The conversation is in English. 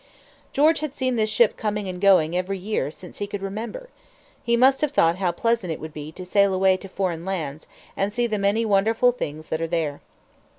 George had seen this ship coming and going every year since he could remember. He must have thought how pleasant it would be to sail away to foreign lands and see the many wonderful things that are there.